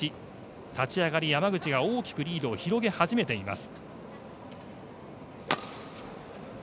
立ち上がり、山口が大きくリードを広げ始めています。